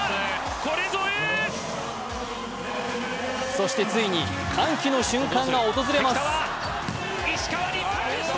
そしてついに歓喜の瞬間が訪れます。